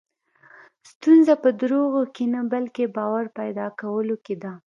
ستونزه په دروغو کې نه، بلکې باور پیدا کولو کې ده.